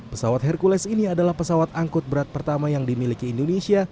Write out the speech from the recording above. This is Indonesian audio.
pesawat hercules ini adalah pesawat angkut berat pertama yang dimiliki indonesia